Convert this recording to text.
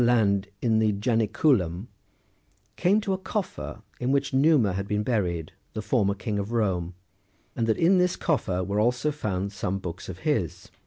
land, in the Janiculum, came to a coffer, in which Nunia had been buried, the former king of Rome, and that in this coffer were also found some books23 of his.